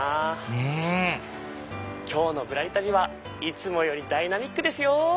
ねぇ今日の『ぶらり旅』はいつもよりダイナミックですよ。